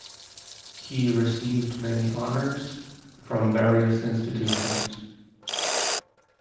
He received many honours from various institutions.